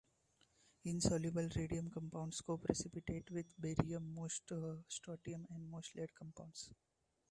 Insoluble radium compounds coprecipitate with all barium, most strontium, and most lead compounds.